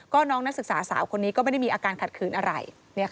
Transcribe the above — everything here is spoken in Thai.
ก็น้องนักศึกษาสาวคนนี้ก็ไม่ได้มีอาการขัดขืนอะไร